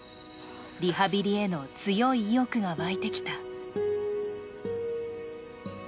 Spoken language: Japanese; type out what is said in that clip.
リハビリへの強い意欲が沸いてきた。